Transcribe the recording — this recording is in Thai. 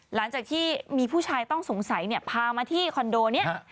หลังจากที่มีผู้ชายต้องสงสัยเนี่ยพามาที่คอนโดนี้